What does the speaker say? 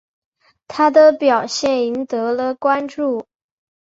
他的表现赢得了关注。